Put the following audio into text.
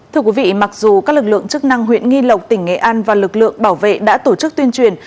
thưa quý vị mặc dù các lực lượng chức năng huyện nghi lộc tỉnh nghệ an và lực lượng bảo vệ đã tổ chức tuyên truyền